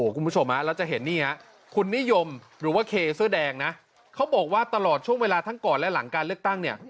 คุณผู้ชมนี่คุณนิยมและว่าเขเสื้อดังเขาบอกตลอดช่วงเวลาทั้งก่อนและหลังเลือกตั้ง